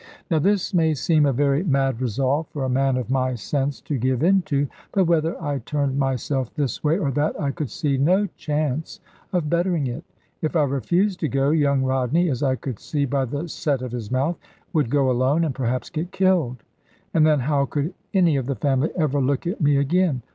Now this may seem a very mad resolve for a man of my sense to give into. But whether I turned myself this way or that, I could see no chance of bettering it. If I refused to go, young Rodney (as I could see by the set of his mouth) would go alone, and perhaps get killed, and then how could any of the family ever look at me again?